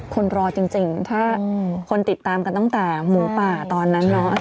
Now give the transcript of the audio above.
คนรอจริงถ้าคนติดตามกันตั้งแต่หมูป่าตอนนั้นเนาะ